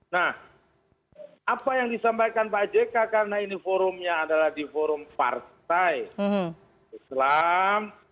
nah apa yang disampaikan pak jk karena ini forumnya adalah di forum partai islam